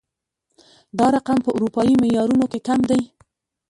دا رقم په اروپايي معيارونو کې کم دی